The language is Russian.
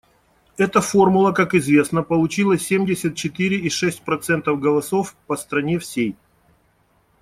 Эта формула, как известно, получила семьдесят четыре и шесть процентов голосов по стране всей.